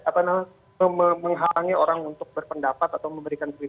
apa namanya menghalangi orang untuk berpendapat atau memberikan kritik